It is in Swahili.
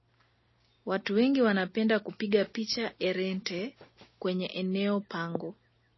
watu wengi wanapenda kupiga picha irente kwenye eneo pango